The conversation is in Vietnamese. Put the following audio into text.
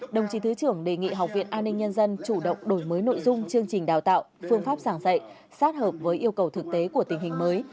đồng chí thứ trưởng đề nghị học viện an ninh nhân dân chủ động đổi mới nội dung chương trình đào tạo phương pháp giảng dạy sát hợp với yêu cầu thực tế của tình hình mới